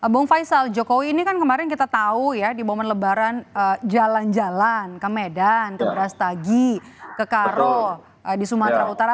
bung faisal jokowi ini kan kemarin kita tahu ya di momen lebaran jalan jalan ke medan ke brastagi ke karo di sumatera utara